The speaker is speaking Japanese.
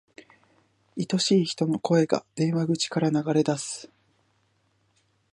愛しい人の声が、電話口から流れ出す。